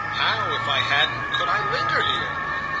"How, if I hadn't, could I linger here?"